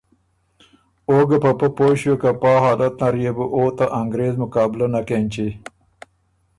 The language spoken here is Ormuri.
او ګه په پۀ پوی ݭیوک که پا حالت نر يې بو او ته انګرېز مقابله نک اېنچی،